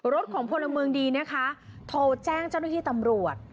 รถของพลเมืองดีนะคะโทรแจ้งเจ้าหน้าที่ตำรวจ